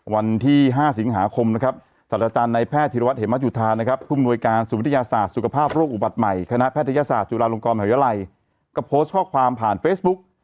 วันที่๕สิงหาคมนะครับสัตว์อาจารย์ในแพทย์ธิรวัตเหมจุธานะครับผู้มนวยการศูนย์วิทยาศาสตร์สุขภาพโรคอุบัติใหม่คณะแพทยศาสตร์จุฬาลงกรมหาวิทยาลัยก็โพสต์ข้อความผ่านเฟซบุ๊ก